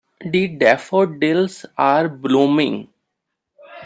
The daffodils are blooming.